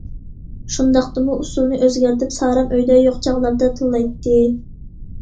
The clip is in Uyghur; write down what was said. شۇنداقتىمۇ ئۇسۇلىنى ئۆزگەرتىپ، سارەم ئۆيدە يوق چاغلاردا تىللايتتى.